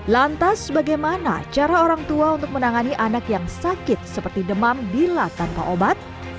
lantas bagaimana cara orang tua untuk menangani anak yang sakit seperti demam bila tanpa obat